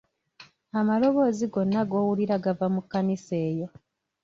Amaloboozi gonna g'owulira gava mu kkanisa eyo.